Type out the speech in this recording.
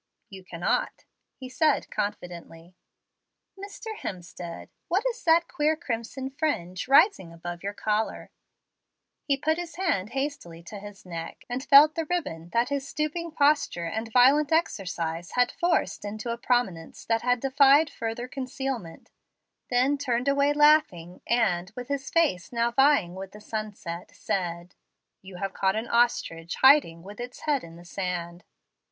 "You cannot," he said confidently. "Mr. Hemstead, what is that queer crimson fringe rising above your collar?" He put his hand hastily to his neck, and felt the ribbon that his stooping posture and violent exercise had forced into a prominence that defied further concealment; then turned away laughing, and, with his face now vying with the Sunset, said, "You have caught an ostrich hiding with its head in the sand."